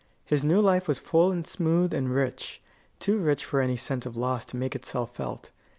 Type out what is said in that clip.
His new life was full and smooth and rich too rich for any sense of loss to make itself felt.